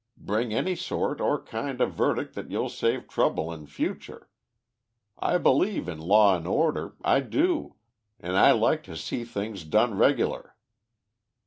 Bring any sort or kind of verdict that'll save trouble in future. I believe in law and order, I do, an' I like to see things done regular."